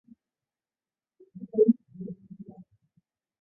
实验室常用的是氢氧化铯一水合物。